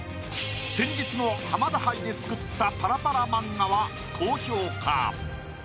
先日の浜田杯で作ったパラパラ漫画は高評価。